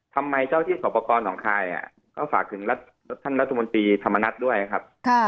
ทำไมเจ้าที่สอบประกอบหนองคายก็ฝากถึงท่านรัฐมนตรีธรรมนัฐด้วยครับ